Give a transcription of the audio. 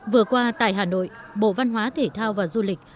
vừa qua tại hà nội bộ văn hóa thể thao và du lịch